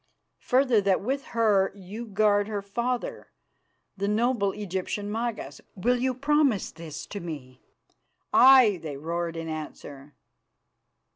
Further, that with her you guard her father, the noble Egyptian Magas. Will you promise this to me?" "Aye!" they roared in answer.